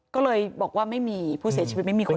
ก็เลยบอกว่าไม่มีผู้เสียชีวิตไม่มีคน